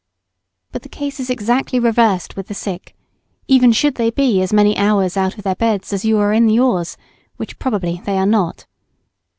But the case is exactly reversed with the sick, even should they be as many hours out of their beds as you are in yours, which probably they are not.